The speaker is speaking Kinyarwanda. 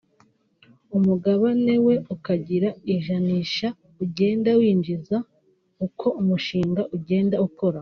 umugabane we ukagira ijanisha ugenda winjiza uko umushinga ugenda ukura